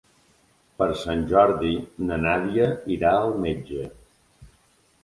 Per Sant Jordi na Nàdia irà al metge.